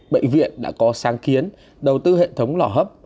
bệnh viện đã có sáng kiến đầu tư hệ thống lò hấp